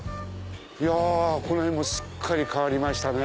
この辺もすっかり変わりましたね。